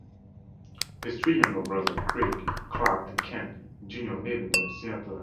His three younger brothers, Craig, Clark and Kent Junior live in the Seattle area.